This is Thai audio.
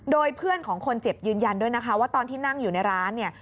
โดยเพื่อนของคนเจ็บยืนยันด้วยนะคะว่าตอนที่นั่งอยู่ในร้านเนี่ย